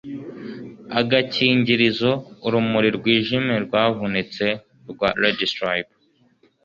agakingirizo, urumuri rwijimye rwavunitse rwa red stripe